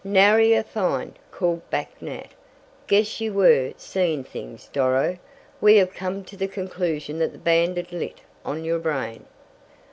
"Nary a find!" called back Nat. "Guess you were 'seeing things,' Doro. We have come to the conclusion that the bandit lit on your brain."